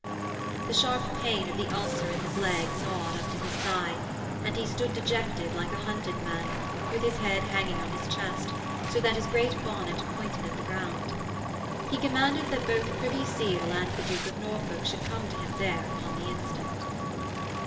The sharp pain of the ulcer in his leg gnawed up to his thigh, and he stood, dejected, like a hunted man, with his head hanging on his chest, so that his great bonnet pointed at the ground. He commanded that both Privy Seal and the Duke of Norfolk should come to him there upon the instant.